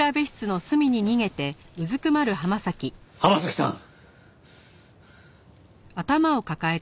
浜崎さん！